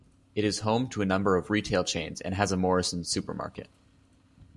It is home to a number of retail chains and has a Morrisons supermarket.